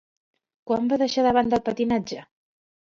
Quan va deixar de banda el patinatge?